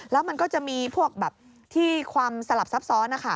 แล้วมันก็จะมีพวกแบบที่ความสลับซับซ้อนนะคะ